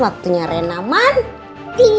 waktunya reina mandi